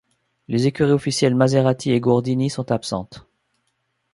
Les écuries officielles Maserati et Gordini sont absentes.